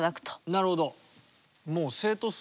なるほど。